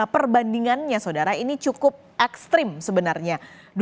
perbandingannya saudara ini cukup ekstrim sebenarnya